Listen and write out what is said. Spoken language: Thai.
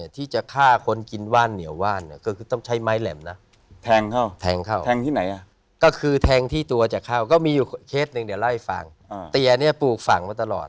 ที่จะฆ่าคนกินว่านเหนี่ยวว่าน